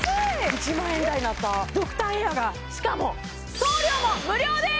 １万円台になったドクターエアがしかも送料も無料です！